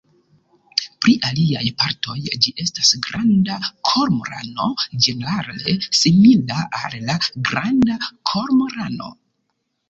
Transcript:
Pri aliaj partoj ĝi estas granda kormorano ĝenerale simila al la Granda kormorano.